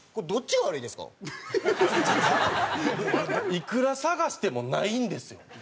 いくら捜してもないんですよ。